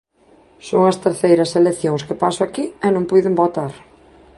Son as terceiras eleccións que paso aquí e non puiden votar.